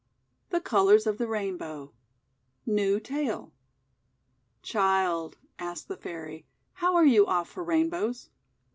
THE COLOURS OF THE RAINBOW New Tale "CHILD," asked the Fairy, "how are you off for Rainbows?'